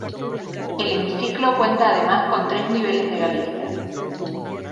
El hemiciclo cuenta además con tres niveles de galerías.